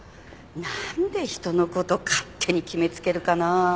なんで人の事勝手に決めつけるかな。